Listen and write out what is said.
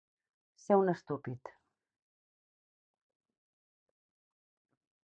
Ser un estúpid.